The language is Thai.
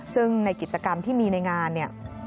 ซึ่งในกิจกรรมที่มีในงานเนี่ย